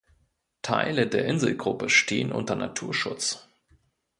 Teile der Inselgruppe stehen unter Naturschutz.